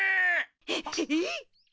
えっ！？